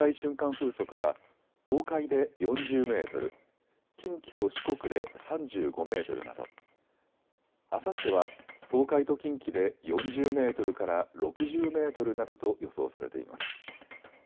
風速は東海で４０メートル、近畿と四国で３５メートルなどあさっては東海と近畿で４０メートルから６０メートルなどと予想されています。